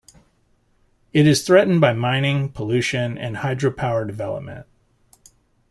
It is threatened by mining, pollution, and hydro-power development.